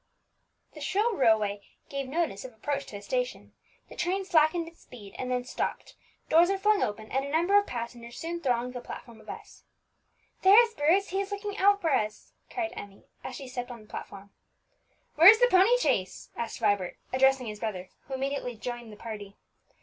The shrill railway whistle gave notice of approach to a station; the train slackened its speed, and then stopped; doors were flung open, and a number of passengers soon thronged the platform of S . "There is Bruce; he is looking out for us!" cried Emmie, as she stepped on the platform. "Where is the pony chaise?" asked Vibert, addressing his brother, who immediately joined the party.